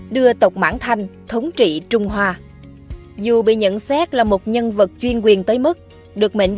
đa nhĩ cổn